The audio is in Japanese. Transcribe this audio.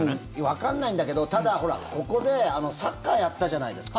わかんないんだけどただほら、ここでサッカーやったじゃないですか。